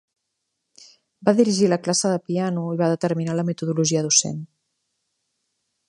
Va dirigir la classe de piano i va determinar la metodologia docent.